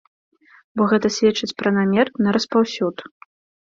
Бо гэта сведчыць пра намер на распаўсюд.